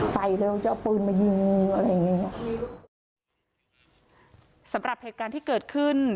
ไปแล้วจะเอาปืนมายิงอะไรอย่างเงี้ยสำหรับเหตุการณ์ที่เกิดขึ้น